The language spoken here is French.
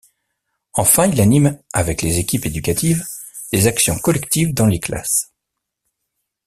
Enfin, il anime, avec les équipes éducatives, des actions collectives dans les classes.